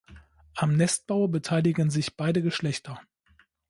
Am Nestbau beteiligen sich beide Geschlechter.